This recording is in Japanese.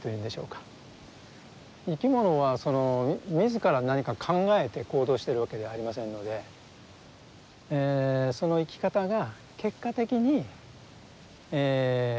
生き物は自ら何か考えて行動してるわけではありませんのでその生き方が結果的に他の生き物に作用している。